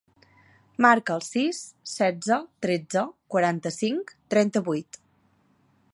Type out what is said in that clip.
Marca el sis, setze, tretze, quaranta-cinc, trenta-vuit.